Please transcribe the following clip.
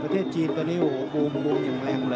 ประเทศจีนตอนนี้วงยังแรงเลย